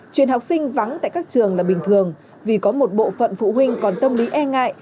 truyền học sinh vắng tại các trường là bình thường vì có một bộ phận phụ huynh còn tâm lý e ngại